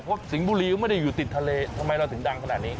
เพราะสิงห์บุรีก็ไม่ได้อยู่ติดทะเลทำไมเราถึงดังขนาดนี้